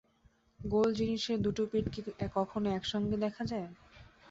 গোল জিনিসের দুটো পিঠ কি কখনো একসঙ্গে দেখা যায়?